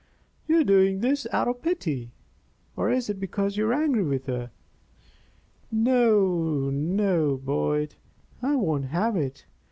You are doing this out of pity or is it because you are angry with her? No, no, Boyd! I won't have it.